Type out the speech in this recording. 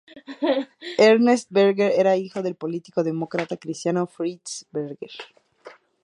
Ernst Berger era hijo del político demócrata cristiano Fritz Berger.